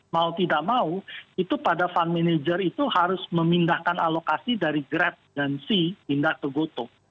mau tidak mau itu pada fund manager itu harus memindahkan alokasi dari grab dan c pindah ke goto